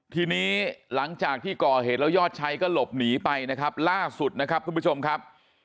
ทีนี้หลังจากที่ก่อเหตุแล้วยอดชัยก็หลบหนีไปนะครับล่าสุดนะครับทุกผู้ชมครับ